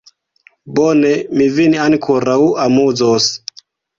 Bone, mi vin ankoraŭ amuzos!